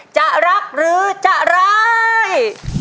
จะรักหรือจะร้าย